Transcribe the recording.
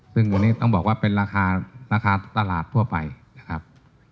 ซึ่งวันนี้ต้องบอกว่าเป็นราคาราคาตลาดทั่วไปนะครับ